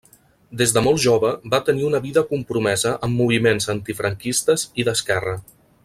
Des de molt jove va tenir una vida compromesa amb moviments antifranquistes i d'esquerra.